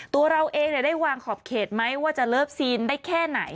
ตัวเราเองได้วางขอบเขตไหมว่าจะเลิฟซีนได้แค่ไหน